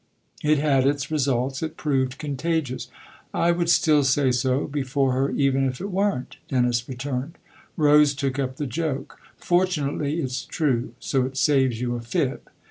It had its result it proved contagious. " I would still say so before her even if it weren't !" Dennis returned. Rose took up the joke. " Fortunately it's true so it saves you a fib."